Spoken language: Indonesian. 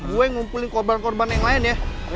gue yang ngumpulin korban korban yang lain ya